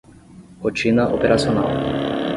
Rotina operacional